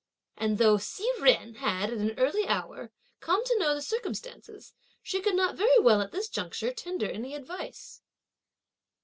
And though Hsi Jen had, at an early hour, come to know the circumstances, she could not very well at this juncture tender any advice.